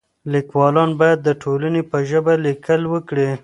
ليکوالان بايد د ټولني په ژبه ليکل وکړي.